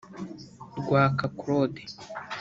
Rwaka Claude